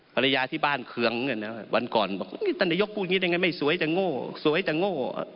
ภรรยาที่บ้านเคืองวันก่อนตันนายกพูดอย่างงี้ได้ไงไม่สวยจะโง่สวยจะโง่